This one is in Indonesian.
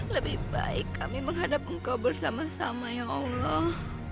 lebih baik kami menghadap engkau bersama sama ya allah